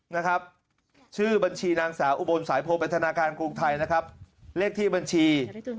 นะครับชื่อบัญชีนางสาอุบลสายโพลปัฒนาการกรุงไทยนะครับเลขที่บัญชี๖๗๙๑๖๑๑๖๑๘